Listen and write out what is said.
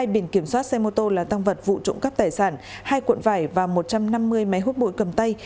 hai bình kiểm soát xe mô tô là tăng vật vụ trụng cấp tài sản hai cuộn vải và một trăm năm mươi máy hút bụi cầm tay